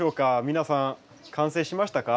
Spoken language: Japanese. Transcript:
皆さん完成しましたか？